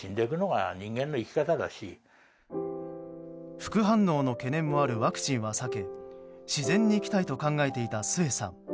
副反応の懸念もあるワクチンは避け自然に生きたいと考えていた末さん。